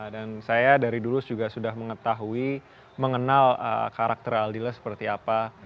dan saya dari dulu juga sudah mengetahui mengenal karakter aldila seperti apa